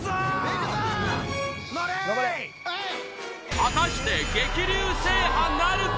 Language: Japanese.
果たして激流制覇なるか？